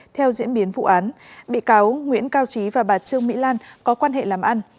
theo diễn biến vụ án bị cáo nguyễn cao trí và bà trương mỹ lan có quan hệ làm ăn